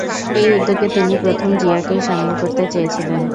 এই উদ্যোগে তিনি প্রথমে জিয়াকেই শামিল করতে চেয়েছিলেন।